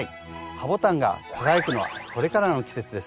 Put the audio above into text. ハボタンが輝くのはこれからの季節です。